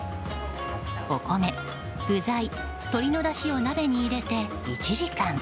お米、具材、鶏のだしを鍋に入れて１時間。